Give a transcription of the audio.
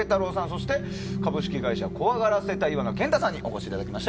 そして、株式会社怖がらせ隊の岩名謙太さんにお越しいただきました。